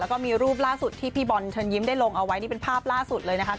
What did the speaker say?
แล้วก็มีรูปล่าสุดที่พี่บอลเชิญยิ้มได้ลงเอาไว้นี่เป็นภาพล่าสุดเลยนะครับ